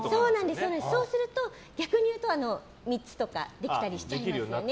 そうすると逆に言うと３つとかできたりしちゃいますね